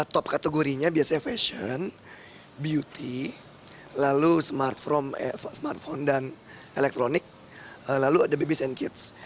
top kategorinya biasanya fashion beauty lalu smartphone dan elektronik lalu ada babys and kids